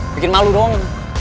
bikin malu doang